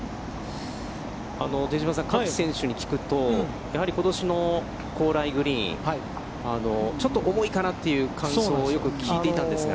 手嶋さん、各選手に聞くと、やはりことしの高麗グリーンちょっと重いかなという感想をよく聞いていたんですが。